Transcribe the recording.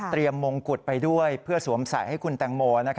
มงกุฎไปด้วยเพื่อสวมใส่ให้คุณแตงโม